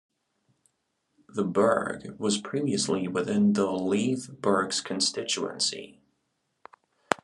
The burgh was previously within the Leith Burghs constituency.